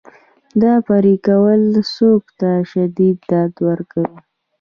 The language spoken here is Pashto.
دا پرې کول خوک ته شدید درد ورکوي.